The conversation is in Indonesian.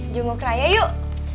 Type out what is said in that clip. jungguh ke raya yuk